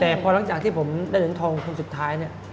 แต่พอหลังจากที่ผมได้เหรียญทองคนสุดท้ายเนี่ย